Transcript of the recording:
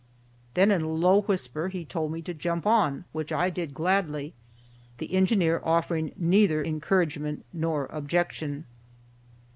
Then in a low whisper he told me to jump on, which I did gladly, the engineer offering neither encouragement nor objection.